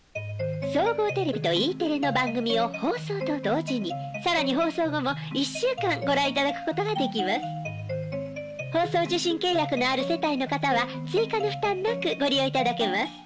総合テレビとＥテレの番組を放送と同時に更に放送受信契約のある世帯の方は追加の負担なくご利用いただけます。